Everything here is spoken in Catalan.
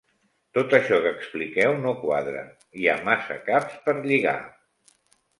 Tot això que expliqueu no quadra: hi ha massa caps per lligar.